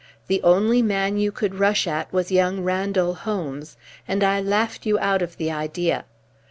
The only man you could rush at was young Randall Holmes, and I laughed you out of the idea.